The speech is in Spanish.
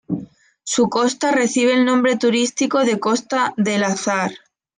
Su costa recibe el nombre turístico de Costa del Azahar.